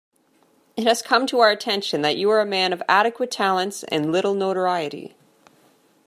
It has come to our attention that you are a man of adequate talents and little notoriety.